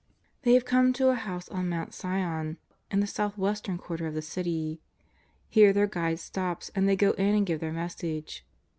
They have come to a house on Blount Sion in the south western quarter of the City. Here their guide stops, and they go in and give their message.